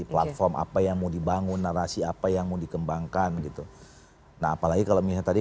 platform apa yang mau dibangun narasi apa yang mau dikembangkan gitu nah apalagi kalau misalnya tadi